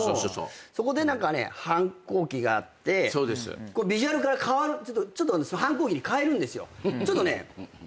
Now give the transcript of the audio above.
そこで何かね反抗期があってビジュアルから変わる反抗期に変えるんですよ。